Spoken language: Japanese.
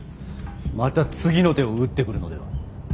また次の手を打ってくるのでは。